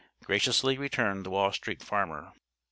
graciously returned the Wall Street Farmer.